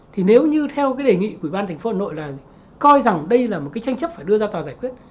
thì nếu như theo cái đề nghị của ủy ban thành phố hà nội là coi rằng đây là một cái tranh chấp phải đưa ra tòa giải quyết